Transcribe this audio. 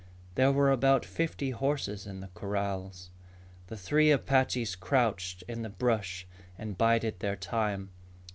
There were about fifty horses in the corrals. The three Apaches crouched in the brush and bided their time.